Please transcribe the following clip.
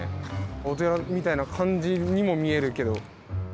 お寺みたいな感じにも見えるけど。